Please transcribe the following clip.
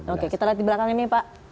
oke kita lihat di belakang ini pak